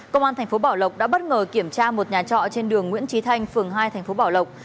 công an tp bảo lộc đã bất ngờ kiểm tra một nhà trọ trên đường nguyễn trí thanh phường hai tp bảo lộc